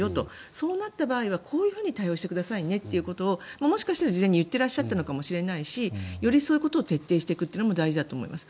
そうなった場合にはこういうふうに対応してくださいねということをもしかしたら事前に言ってらっしゃったのかもしれないしよりそういうことを徹底していくのも大事だと思います。